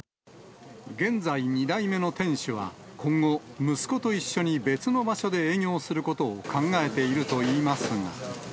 現在２代目の店主は、今後、息子と一緒に別の場所で営業することを考えているといいますが。